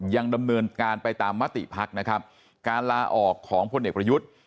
ยังดำเนินการไปตามมติภักดิ์นะครับการลาออกของพลเอกประยุทธ์